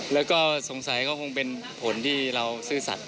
และก็สงสัยว่าเป็นผลที่เราซื่อสัตว์